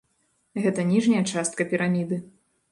Гэта ніжняя частка піраміды.